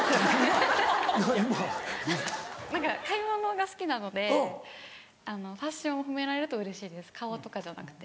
買い物が好きなのでファッションを褒められるとうれしいです顔とかじゃなくて。